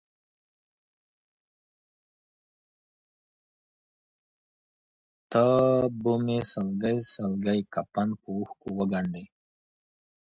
ته به مي سلګۍ سلګۍ کفن په اوښکو وګنډې